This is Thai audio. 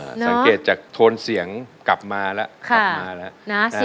สังเกตจากโทนเสียงกลับมาแล้ว